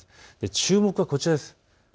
注目はこちらです。